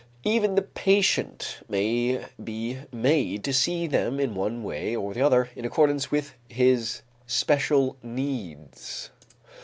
Even the patient may be made to see them in one or the other way in accordance with his special needs.